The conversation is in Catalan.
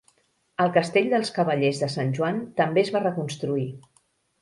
El castell dels Cavallers de Sant Joan també es va reconstruir.